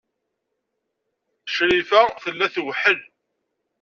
Crifa tella tweḥḥel.